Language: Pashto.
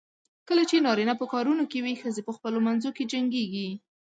کله چې نارینه په کارونو کې وي، ښځې په خپلو منځو کې جنګېږي.